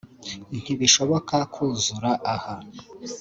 Ntibishoboka kuzura aha